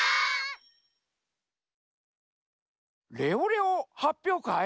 レオレオはっぴょうかい？